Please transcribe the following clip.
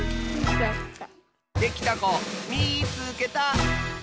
できたこみいつけた！